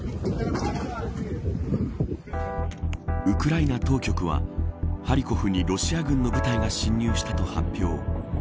ウクライナ当局はハリコフにロシア軍の部隊が侵入したと発表。